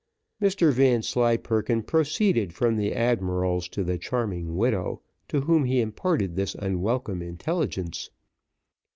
Mr Vanslyperken proceeded from the admiral's to the charming widow, to whom he imparted this unwelcome intelligence.